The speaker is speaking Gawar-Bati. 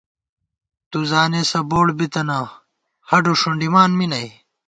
تُوزانېسہ بوڑ بِتَنہ ، ہڈو ݭُنڈِمان می نئ